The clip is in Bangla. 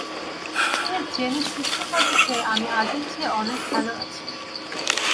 তুমি জেনে সুখী হবে যে, আমি আগের চেয়ে অনেক ভাল আছি।